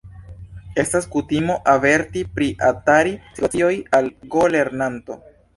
Estas kutimo averti pri atari-situacioj al go-lernanto.